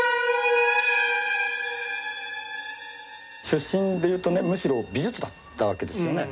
出身でいうとねむしろ美術だったわけですよね？